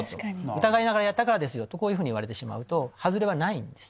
疑いながらやったからですよ」と言われてしまうとはずれはないんです。